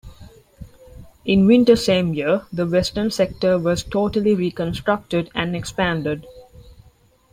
In winter same year, the Western Sector was totally reconstructed and expanded.